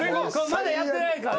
まだやってないから。